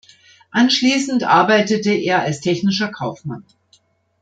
Anschließend arbeitete er als Technischer Kaufmann.